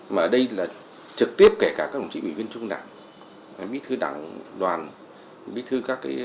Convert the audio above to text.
mà ở đây là trực tiếp kể cả các đồng chí ủy viên trung đảng bí thư đảng đoàn bí thư các